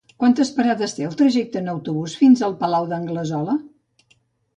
Quantes parades té el trajecte en autobús fins al Palau d'Anglesola?